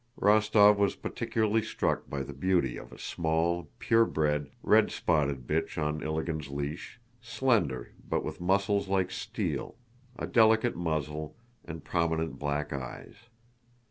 Rostóv was particularly struck by the beauty of a small, pure bred, red spotted bitch on Ilágin's leash, slender but with muscles like steel, a delicate muzzle, and prominent black eyes.